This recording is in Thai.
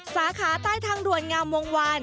สาขาใต้ทางด่วนงามวงวาน